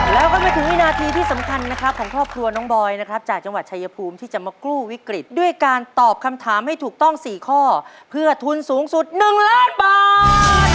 แล้วก็ไม่ถึงวินาทีที่สำคัญนะครับของครอบครัวน้องบอยนะครับจากจังหวัดชายภูมิที่จะมากู้วิกฤตด้วยการตอบคำถามให้ถูกต้อง๔ข้อเพื่อทุนสูงสุด๑ล้านบาท